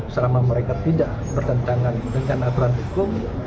selama mereka tidak bertentangan dengan aturan hukum